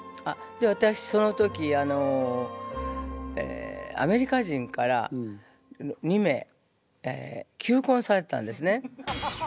私その時あのアメリカ人から２名求婚されてたんですね。